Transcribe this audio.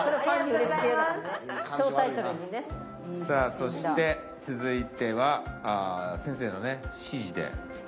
さあそして続いては先生のね指示で。